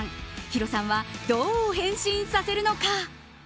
ヒロさんはどう変身させるのか。